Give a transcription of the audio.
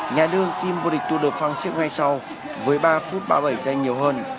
nhà đương kim vua địch tu được phăng xếp ngay sau với ba m ba mươi bảy s nhiều hơn